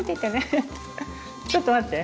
ちょっと待って。